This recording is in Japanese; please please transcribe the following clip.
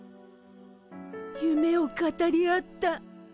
ゆめを語り合った。